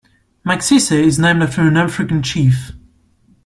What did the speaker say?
Maxixe is named after an African chief.